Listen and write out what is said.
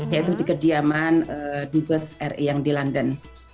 yaitu di kediaman dubes ri yang di london